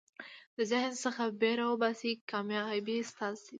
د ذهن څخه بېره وباسئ، کامیابي ستاسي ده.